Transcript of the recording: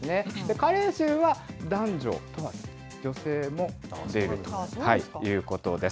加齢臭は男女問わず、女性も出るということです。